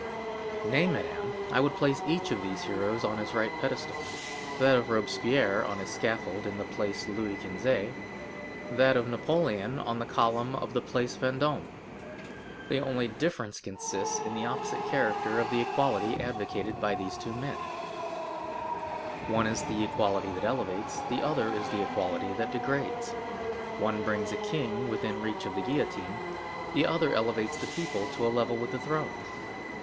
0085m "Nay, madame; I would place each of these heroes on his right pedestal—that of Robespierre on his scaffold in the Place Louis Quinze; that of Napoleon on the column of the Place Vendôme. The only difference consists in the opposite character of the equality advocated by these two men; one is the equality that elevates, the other is the equality that degrades; one brings a king within reach of the guillotine, the other elevates the people to a level with the throne.